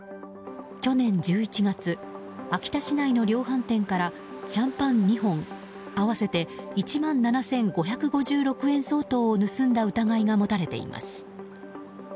去年１１月秋田市内の量販店からシャンパン２本合わせて１万７５５６円相当を盗んだ疑いが持たれています。